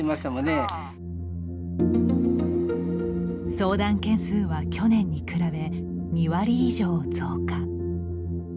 相談件数は去年に比べ２割以上増加。